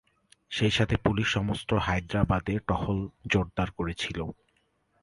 সেই সাথে পুলিশ সমস্ত হায়দ্রাবাদে টহল জোরদার করেছিল।